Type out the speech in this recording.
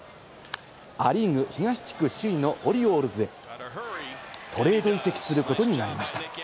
ア・リーグ東地区首位のオリオールズへトレード移籍することになりました。